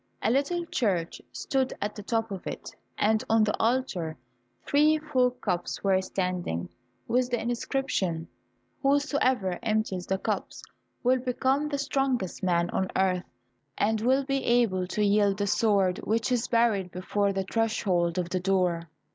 A little church stood at the top of it, and on the altar three full cups were standing, with the inscription, "Whosoever empties the cups will become the strongest man on earth, and will be able to wield the sword which is buried before the threshold of the door."